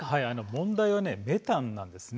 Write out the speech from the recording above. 問題はメタンなんです。